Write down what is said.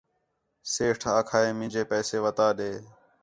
سیٹھ آکھا ہِے مینجے پیسے وتا ݙے